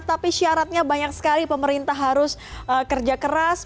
tapi syaratnya banyak sekali pemerintah harus kerja keras